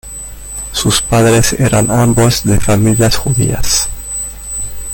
Sus padres eran ambos de familias judías.